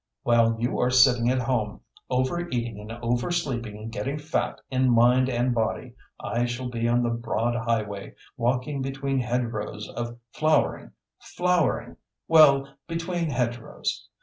"While you are sitting at home, overeating and oversleeping and getting fat in mind and body, I shall be on the broad highway, walking between hedgerows of flowering flowering well, between hedgerows.